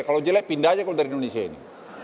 kalau jelek pindah aja kalau dari indonesia ini